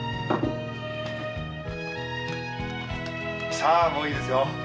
さあもういいですよ。